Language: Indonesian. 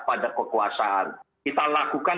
pada kekuasaan kita lakukan